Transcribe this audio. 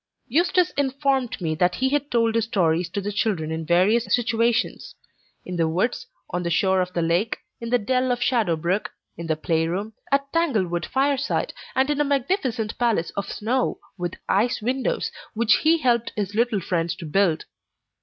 Eustace informed me that he had told his stories to the children in various situations in the woods, on the shore of the lake, in the dell of Shadow Brook, in the playroom, at Tanglewood fireside, and in a magnificent palace of snow, with ice windows, which he helped his little friends to build.